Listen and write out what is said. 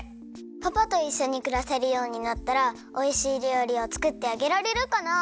パパといっしょにくらせるようになったらおいしいりょうりをつくってあげられるかな？